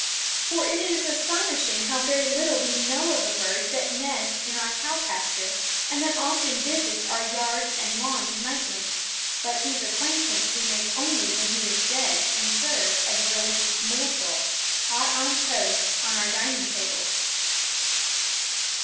For it is astonishing how very little we know of a bird that nests in our cow pasture and that often visits our yards and lawns nightly, but whose acquaintance we make only when he is dead and served as a delicious morsel, hot on toast, on our dining tables.